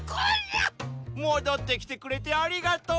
戻ってきてくれてありがとう！